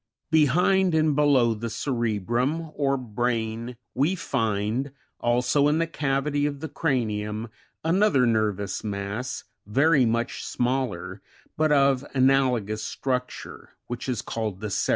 14. Behind and below the cerebrum, or brain, we find, also in the cavity of the cranium, another nervous mass, very much smaller, but of analogous structure, which is called the cerebellum.